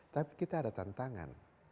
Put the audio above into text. tapi kita ada tantangan